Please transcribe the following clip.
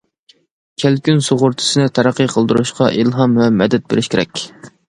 كەلكۈن سۇغۇرتىسىنى تەرەققىي قىلدۇرۇشقا ئىلھام ۋە مەدەت بېرىش كېرەك.